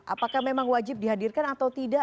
apakah memang wajib dihadirkan atau tidak